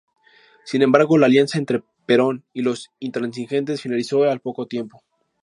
Sin embargo, la alianza entre Perón y los intransigentes finalizó al poco tiempo.